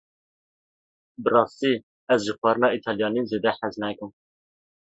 Bi rastî ez ji xwarina Îtalyanî zêde hez nakim.